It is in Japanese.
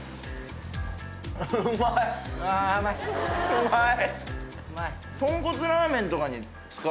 うまい。